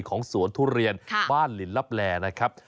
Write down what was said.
ของสวนทุเรียนบ้านหลินลับแลนะครับ